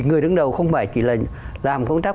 người đứng đầu không phải chỉ là làm công tác